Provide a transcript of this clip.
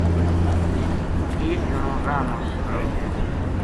ایک جنو راہ ما کھڑو ہے